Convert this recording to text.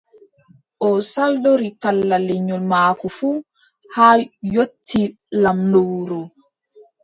O saldori kala lenyol maako fuu, haa yotti laamɗo wuro.